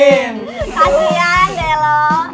kasihan deh lo